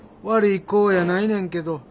悪い子やないねんけど。